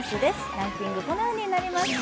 ランキング、このようになりました